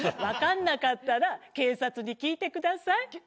わかんなかったら警察に聞いてください。